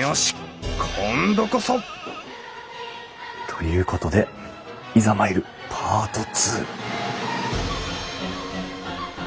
よし今度こそ！ということでいざ参るパート２。